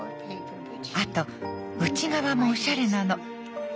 あと内側もおしゃれなの。